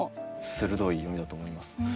鋭い読みだと思います。